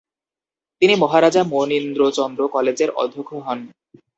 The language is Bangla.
তিনি মহারাজা মনীন্দ্রচন্দ্র কলেজের অধ্যক্ষ হন।